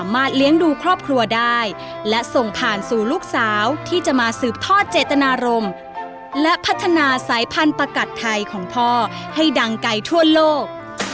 ให้ดังไกลทั่วโลก